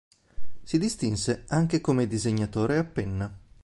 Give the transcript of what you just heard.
Si distinse anche come disegnatore a penna.